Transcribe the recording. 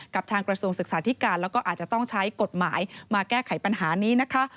ทางกระทรวงศึกษาธิการแล้วก็อาจจะต้องใช้กฎหมายมาแก้ไขปัญหานี้นะคะ